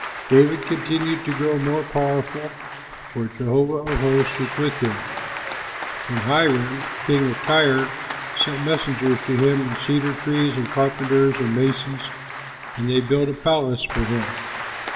David continued to grow more powerful, for Jehovah of hosts was with him. And Hiram, king of Tyre, sent messengers to him, and cedar trees and carpenters and masons, and they built a palace for him.